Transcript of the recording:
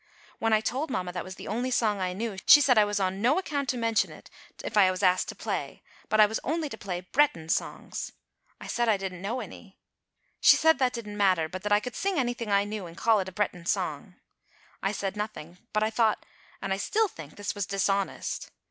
When I told mamma that was the only song I knew, she said I was on no account to mention it, if I was asked to play; but I was only to play Breton songs. I said I didn't know any. She said that didn't matter; but that I could sing anything I knew and call it a Breton song. I said nothing, but I thought, and I still think, this was dishonest.